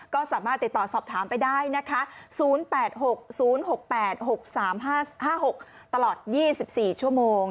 ก็สามารถติดต่อสอบถามไปได้นะคะ๐๘๖๐๖๘๖๓๕๖ตลอด๒๔ชั่วโมง